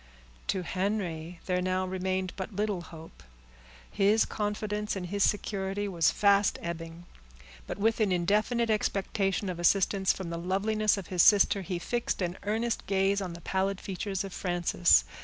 To Henry there now remained but little hope; his confidence in his security was fast ebbing, but with an indefinite expectation of assistance from the loveliness of his sister, he fixed an earnest gaze on the pallid features of Frances.